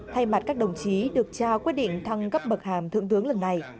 thay mặt các đồng chí được trao quyết định thăng cấp bậc hàm thượng tướng lần này